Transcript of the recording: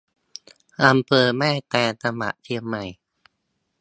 อำเภอแม่แตง จังหวัดเชียงใหม่